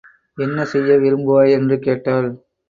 என்ன செய்ய விரும்புவாய்? என்று கேட்டாள்.